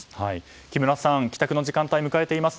木村さん帰宅の時間帯を迎えています